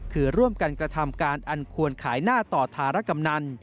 คือร่วมกันกระทำการอันควรขายหน้าต่อธารกำนัน